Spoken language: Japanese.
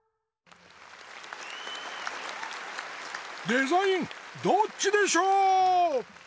「デザインどっちでショー」！